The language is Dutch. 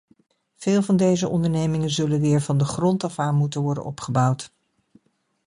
Veel van deze ondernemingen zullen weer van de grond af aan moeten worden opgebouwd.